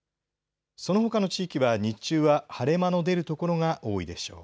そのほかの地域は日中は晴れ間の出る所が多いでしょう。